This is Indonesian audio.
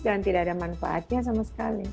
dan tidak ada manfaatnya sama sekali